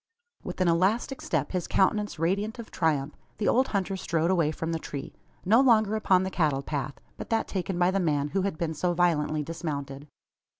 With an elastic step his countenance radiant of triumph the old hunter strode away from the tree, no longer upon the cattle path, but that taken by the man who had been so violently dismounted.